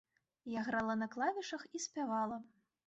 Я грала на клавішах і спявала.